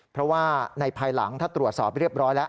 เพราะว่าในภายหลังถ้าตรวจสอบเรียบร้อยแล้ว